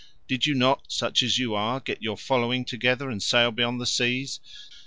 Did you not, such as you are, get your following together and sail beyond the seas?